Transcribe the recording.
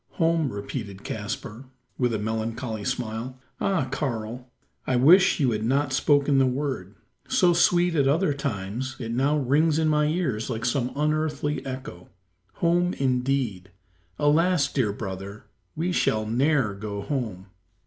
"Home!" repeated Caspar, with a melancholy smile. "Ah! Karl, I wish you had not spoken the word. So sweet at other times, it now rings in my ears like some unearthly echo. Home, indeed! Alas, dear brother! we shall ne'er go home."